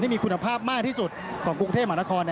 มีคุณภาพมากที่สุดของกรุงเทพมหานคร